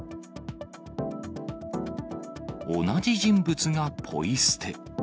同じ人物がポイ捨て。